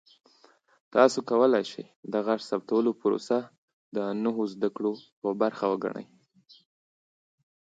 تاسو کولی شئ د غږ ثبتولو پروسه د نوو زده کړو یوه برخه وګڼئ.